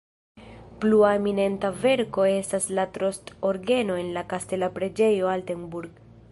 Plua eminenta verko estas la Trost-orgeno en la kastela preĝejo Altenburg.